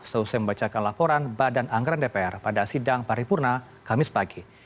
selesai membacakan laporan badan anggaran dpr pada sidang paripurna kamis pagi